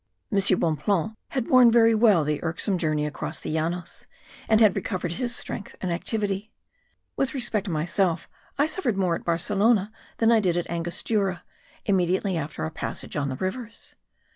M. Bonpland had borne very well the irksome journey across the Llanos; and had recovered his strength and activity. With respect to myself, I suffered more at Barcelona than I did at Angostura, immediately after our passage on the rivers.